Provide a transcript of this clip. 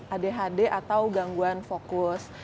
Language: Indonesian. adhd atau gangguan fokus